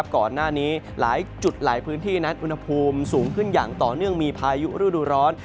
ก่อนหน้านี้หลายจุดหลายพื้นที่นั้นอุณหภูมิสูงขึ้นอย่างต่อเนื่องมีพายุฤดูร้อน